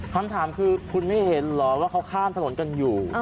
คำถามคือคุณไม่เห็นเหรอว่าเขาข้ามถนนกันอยู่